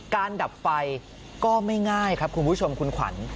ดับไฟก็ไม่ง่ายครับคุณผู้ชมคุณขวัญ